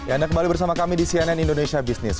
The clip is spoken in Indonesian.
ya anda kembali bersama kami di cnn indonesia business